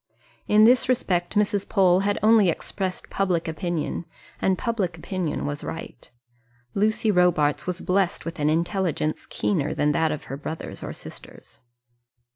In this respect Mrs. Pole had only expressed public opinion, and public opinion was right. Lucy Robarts was blessed with an intelligence keener than that of her brothers or sisters.